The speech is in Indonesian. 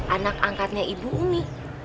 anak angkatnya ibu umi